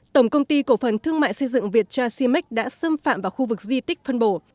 tổng công ty cổ phần thương mại xây dựng việt trà si mek đã xâm phạm vào khu vực di tích phân bổ